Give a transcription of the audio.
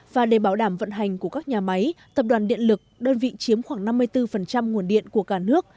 và để bảo đảm vận hành của các nhà máy tập đoàn điện lực đơn vị chiếm khoảng năm mươi bốn nguồn điện của cả nước